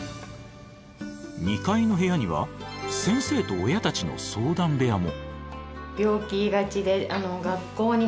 ２階の部屋には先生と親たちの相談部屋も。